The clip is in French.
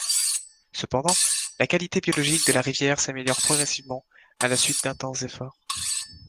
Cependant, la qualité biologique de la rivière s'améliore progressivement, à la suite d'intenses efforts.